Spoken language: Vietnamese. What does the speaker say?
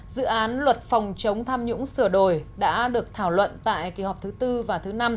dự án luật phòng chống tham nhũng sửa đổi đã được thảo luận tại kỳ họp thứ tư và thứ năm